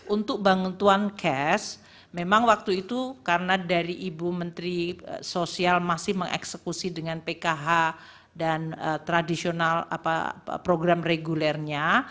untuk bantuan cash memang waktu itu karena dari ibu menteri sosial masih mengeksekusi dengan pkh dan tradisional program regulernya